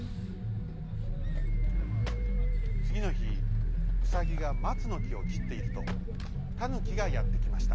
つぎのひウサギがまつのきをきっているとタヌキがやってきました。